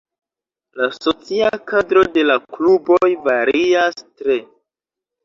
La socia kadro de la kluboj varias tre.